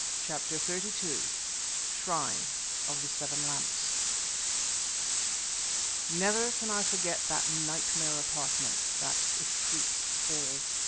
CHAPTER XXXII SHRINE OF SEVEN LAMPS Never can I forget that nightmare apartment, that efreet's hall.